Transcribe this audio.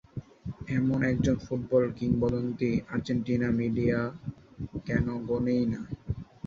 এমন একজন ফুটবল কিংবদন্তি আর্জেন্টিনা মিডিয়া কেন গোনেই না।